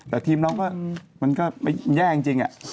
แต่ทีมเราก็มันก็แย่จริง